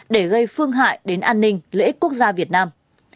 để gây phương hại đến an ninh lễ quốc gia việt nam